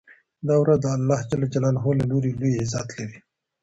دا ورځ د الله له لوري لوی عزت لري.